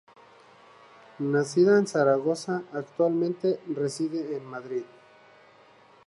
Nacida en Zaragoza, actualmente, reside en Madrid.